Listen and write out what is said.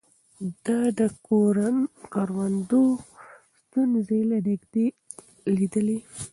ده د کروندګرو ستونزې له نږدې ليدلې.